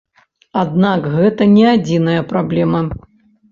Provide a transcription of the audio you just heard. Аднак гэта не адзіная праблема.